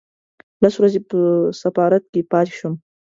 لس ورځې په سفارت کې پاتې شوم.